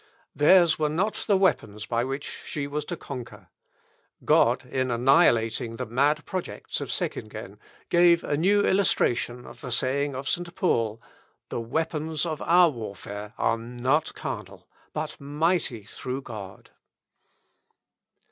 Theirs were not the weapons by which she was to conquer; God, in annihilating the mad projects of Seckingen, gave a new illustration of the saying of St. Paul, "The weapons of our warfare are not carnal, but mighty through God."